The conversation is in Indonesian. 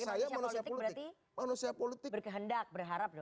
sebagai manusia politik berarti berkehendak berharap dong